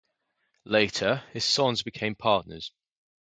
Later his sons became partners.